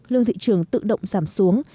lương thị trường tự động giảm xuống